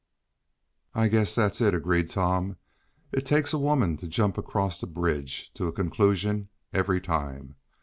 "I guess that's it," agreed Tom. "It takes a woman to jump across a bridge to a conclusion every time.